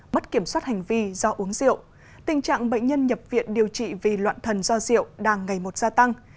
mất kiểm soát hành vi do uống rượu tình trạng bệnh nhân nhập viện điều trị vì loạn thần do rượu đang ngày một gia tăng